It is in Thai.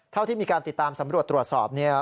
เท่าที่มีการติดตามสำรวจตรวจสอบเนี่ย